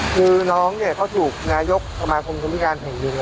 คือน้องเขาถูกนายกสมาคมคุมิการแข่งดุล